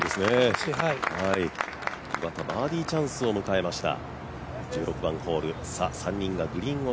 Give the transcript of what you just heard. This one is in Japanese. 岩田、バーディーチャンスを迎えました。